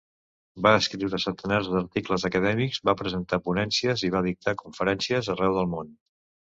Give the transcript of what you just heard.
Va escriure centenars d'articles acadèmics, va presentar ponències i va dictar conferències arreu del món.